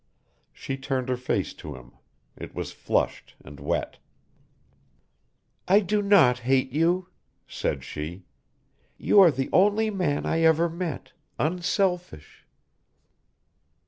She turned her face to him, it was flushed and wet. "I do not hate you," said she; "you are the only man I ever met unselfish."